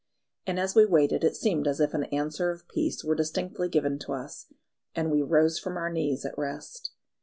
And as we waited it seemed as if an answer of peace were distinctly given to us, and we rose from our knees at rest.